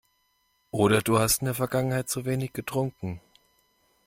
Oder du hast in der Vergangenheit zu wenig getrunken.